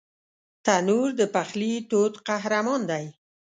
تنور د پخلي تود قهرمان دی